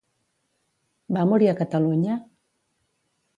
Va morir a Catalunya?